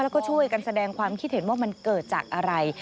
แล้วก็ช่วยกันแสดงความคิดเห็นว่ามันเกิดจากอะไร